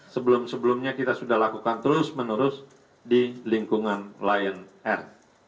sebelum sebelumnya kita sudah lakukan terus menerus di lingkungan lion air